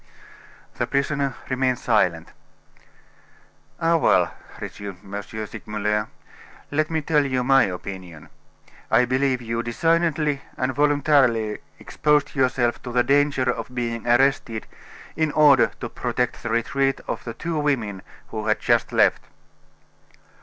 The prisoner remained silent. "Ah, well!" resumed M. Segmuller, "let me tell you my opinion. I believe you designedly and voluntarily exposed yourself to the danger of being arrested in order to protect the retreat of the two women who had just left."